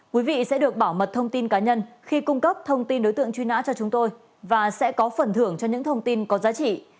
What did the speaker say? quý vị sẽ được bảo mật thông tin cá nhân khi cung cấp thông tin đối tượng truy nã cho chúng tôi và sẽ có phần thưởng cho những thông tin có giá trị